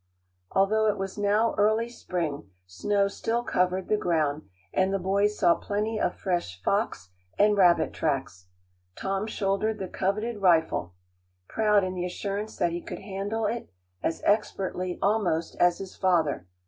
Although it was now early spring, snow still covered the ground, and the boys saw plenty of fresh fox and rabbit tracks. Tom shouldered the coveted rifle, proud in the assurance that he could handle it as expertly, almost, as his father.